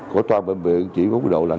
của toàn bệnh viện chỉ có mức độ là năm